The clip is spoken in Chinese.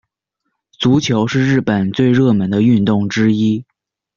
足球是日本最热门的运动之一。